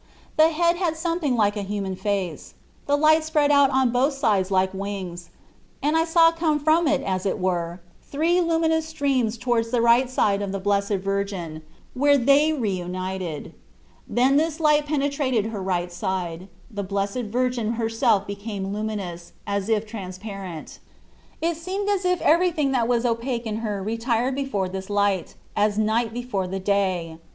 The head had something like the human face ; the light spread out on both sides like wings, and I saw come from it as it were three luminous streams towards the right side of the Blessed Virgin, where they 24 Ube 1Ratfv>ft of were reunited ; then this light penetrated her right side, the Blessed Virgin herself became luminous, and as if transparent : it seemed as if everything that was opaque in her retired before this light, as night before the day.